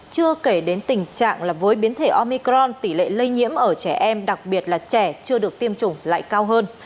chưa kể đến tình trạng là với biến thể omicron tỷ lệ lây nhiễm ở trẻ em đặc biệt là trẻ chưa được tiêm chủng lại cao hơn